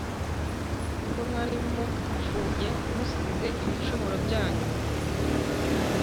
ubwo mwari mupfuye muzize ibicumuro byanyu